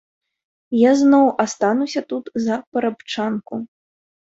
Я зноў астануся тут за парабчанку.